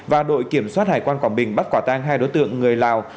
và đội kiểm soát hải quan quảng bình bắt quả tang hai đối tượng người lào